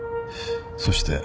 そして。